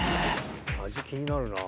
味気になるなあ。